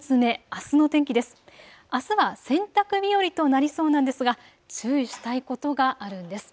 あすは洗濯日和となりそうなんですが注意したいことがあるんです。